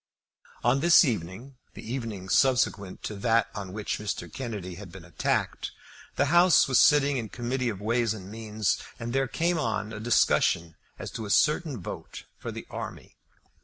On this evening, the evening subsequent to that on which Mr. Kennedy had been attacked, the House was sitting in Committee of Ways and Means, and there came on a discussion as to a certain vote for the army.